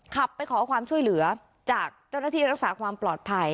ขับไปขอความช่วยเหลือจากเจ้าหน้าที่รักษาความปลอดภัย